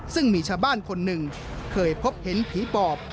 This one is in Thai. ซึ่งมีชาวบ้านคนหนึ่งเคยพบเห็นผีปอบ